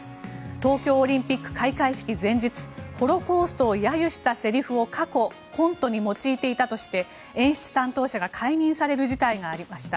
東京オリンピック開会式前日ホロコーストを揶揄したセリフを過去コントに用いていたとして演出担当者が解任される事態がありました。